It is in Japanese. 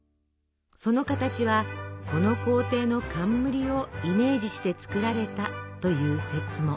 その形はこの皇帝の冠をイメージして作られたという説も。